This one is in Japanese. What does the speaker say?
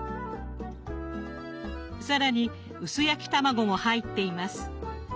更に薄焼き卵も入っています。